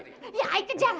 iya ayah kejar